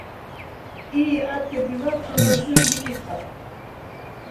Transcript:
İri arte bivat do Lazuri biǩitxat.